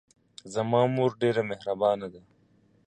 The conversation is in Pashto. زما مور ډېره محربانه ده